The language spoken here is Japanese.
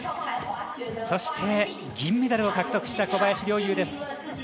そして銀メダルを獲得した小林陵侑です。